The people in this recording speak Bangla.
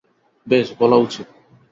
বেশ, বলা উচিত।